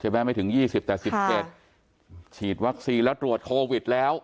แม้ไม่ถึงยี่สิบแต่สิบเจ็ดค่ะฉีดวัคซีนแล้วตรวจโควิดแล้ว